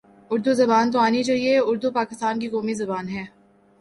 اردو زبان تو آنی چاہیے اردو پاکستان کی قومی زبان ہے